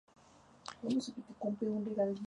Estudió filosofía en la Universidad de Buenos Aires.